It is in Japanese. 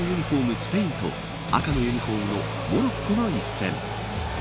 スペインと赤のユニホームのモロッコの一戦